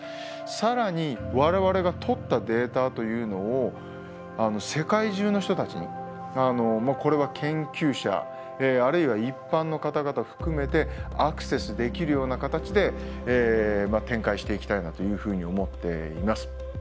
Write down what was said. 更に我々がとったデータというのを世界中の人たちにこれは研究者あるいは一般の方々含めてアクセスできるような形で展開していきたいなというふうに思っています。